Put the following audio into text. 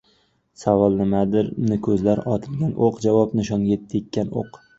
Savol — nimanidir ko‘zlab otilgan o‘q. Javob — nishonga tekkan o‘q.